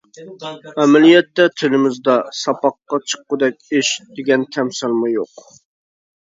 ئەمەلىيەتتە تىلىمىزدا «ساپاققا چىققۇدەك ئىش» دېگەن تەمسىلمۇ يوق.